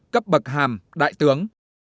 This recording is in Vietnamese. cấp bậc hàm đại tướng